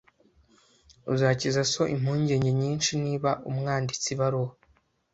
Uzakiza so impungenge nyinshi niba umwanditse ibaruwa.